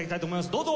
どうぞ！